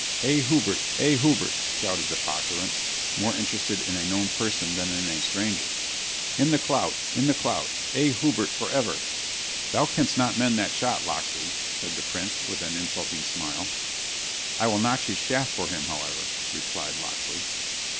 "'A Hubert! a Hubert!' shouted the populace, more interested in a known person than in a stranger. 'In the clout! in the clout! a Hubert forever!' "'Thou canst not mend that shot, Locksley,' said the Prince, with an insulting smile. "'I will notch his shaft for him, however,' replied Locksley.